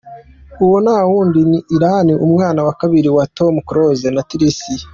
Uwo nta wundi ni Elan umwana wa kabiri wa Tom Close na Tricia.